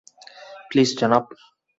Please, জনাব।